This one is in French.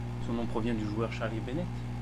Son nom provient du joueur Charlie Bennett.